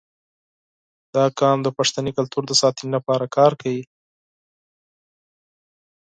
• دا قوم د پښتني کلتور د ساتنې لپاره کار کوي.